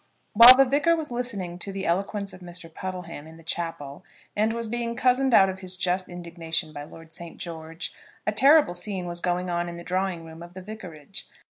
While the Vicar was listening to the eloquence of Mr. Puddleham in the chapel, and was being cozened out of his just indignation by Lord St. George, a terrible scene was going on in the drawing room of the vicarage.